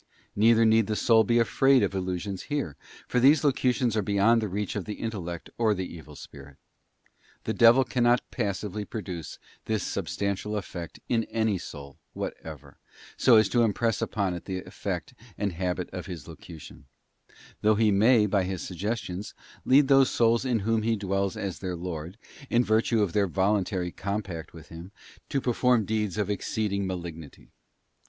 Neither need the soul be afraid of illusions here, for these locutions are beyond the reach of the intellect or the evil spirit. The devil cannot passively produce this substantial effect in any soul whatever, so as to impress upon it the effect and habit of his locution; though he may, by his suggestions, lead those souls in whom he dwells as their lord, in virtue of their voluntary compact with him, to perform deeds of exceeding malignity.